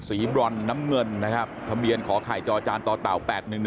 สีบร้อนน้ำเงินนะครับทะเมียนขอข่ายจอจานต่อต่าว๘๑๑๑๐๑